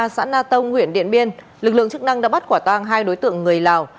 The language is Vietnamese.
xã na tông huyện điện biên lực lượng chức năng đã bắt quả tang hai đối tượng người lào